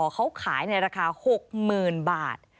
เขาขายในราคา๖๐๐๐บาท